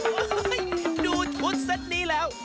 โอ้โฮดูทุศเซ็ตนี้แล้ว